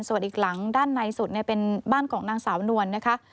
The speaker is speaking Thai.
ส่วนอีกหลังด้านในสุดเป็นบ้านของนางสาวนวลนะคะ